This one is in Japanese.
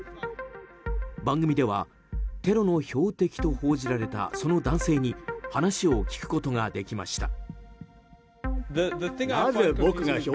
番組ではテロの標的と報じられたその男性に話を聞くことができました。